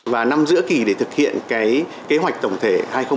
và năm giữa kỷ để thực hiện cái kế hoạch tổng thể hai nghìn một mươi năm hai nghìn hai mươi năm